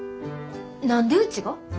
何でうちが？